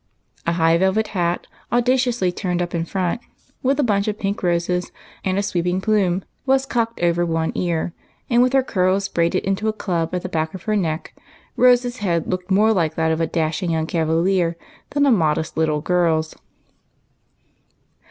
A high velvet hat, audaciously turned up in front, with a bunch of pink roses and a sweeping plume, was cocked over one ear, and, with her curls braided into a club at the back of her neck, Rose's head looked more like that of a dashing young cavalier than a modest little girl's.